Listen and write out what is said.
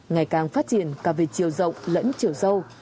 ngày càng phát triển cả về chiều rộng lẫn chiều sâu